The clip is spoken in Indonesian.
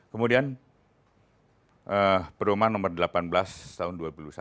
kemudian perdomaan no delapan belas tahun dua ribu dua puluh satu